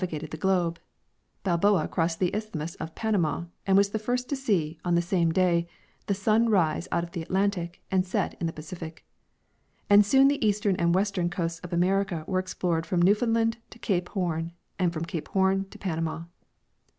5 gated the globe ; Balboa crossed the isthmus of Panama and was the first to see, on the same day, the sun rise out of the Atlantic and set in the Pacific ; and soon the eastern and western coasts of America were explored from Newfoundland to cape Horn and from cape Horn to Panama.